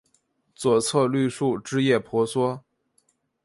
左侧绿树枝叶婆娑